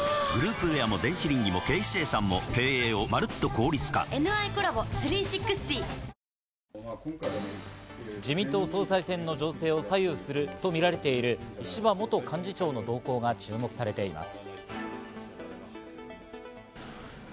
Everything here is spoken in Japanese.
こうした中、自民党総裁選の情勢を左右するとみられている石破元幹事長の動向が注目されています。